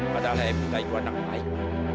padahal evita itu anak baik